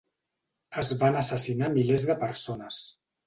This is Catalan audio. Es van assassinar milers de persones.